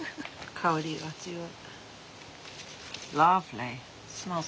香りがいい。